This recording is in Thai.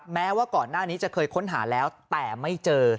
แม้ว่าก่อนหน้านี้จะเคยค้นหาแล้วแต่ไม่เจอ